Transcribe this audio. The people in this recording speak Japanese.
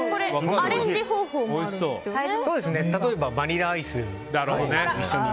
例えば、バニラアイスと一緒に。